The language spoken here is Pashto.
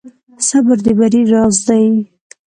صبر د بری راز دی.